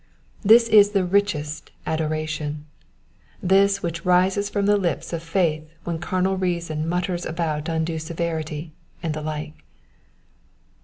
This is the richest adoration — tnis which rises from the Ups of faith when carnal reason mutters about undue severity, and the like.